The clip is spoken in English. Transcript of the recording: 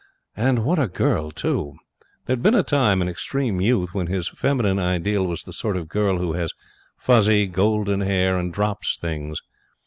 And what a girl, too! There had been a time, in extreme youth, when his feminine ideal was the sort of girl who has fuzzy, golden hair, and drops things.